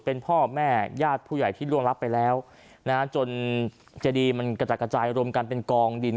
เป็นพ่อแม่ญาติผู้ใหญ่ที่ร่วงรับไปแล้วนะฮะจนเจดีมันกระจัดกระจายรวมกันเป็นกองดิน